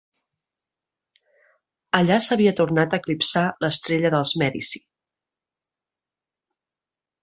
Allà s'havia tornat a eclipsar l'estrella dels Mèdici.